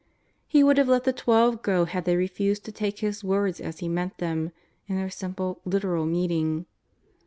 He would have let the Twelve go had they refused to take His words as He meant them, in their simple, literal meaning.